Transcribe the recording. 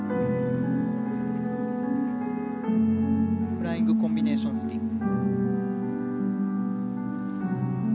フライングコンビネーションスピン。